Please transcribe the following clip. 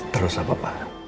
terus apa pak